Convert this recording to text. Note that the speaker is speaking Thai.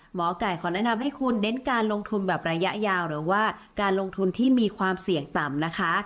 หมอไก่ขอแนะนำให้คุณเน้นการลงทุนแบบระยะยาวหรือว่าการลงทุนที่มีความเสี่ยงต่ำนะคะ